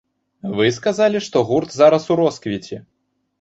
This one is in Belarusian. Вы сказалі, што гурт зараз у росквіце.